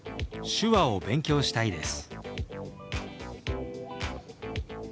「手話を勉強したいです」。